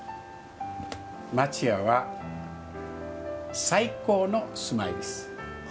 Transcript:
町家は最高の住まいです。